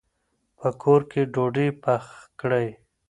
په کور کې ډوډۍ پخ کړئ.